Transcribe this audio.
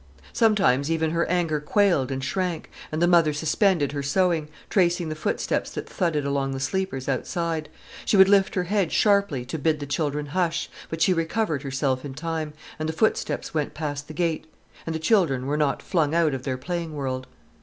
Sometimes even her anger quailed and shrank, and the mother suspended her sewing, tracing the footsteps that thudded along the sleepers outside; she would lift her head sharply to bid the children 'hush', but she recovered herself in time, and the footsteps went past the gate, and the children were not flung out of their playing world.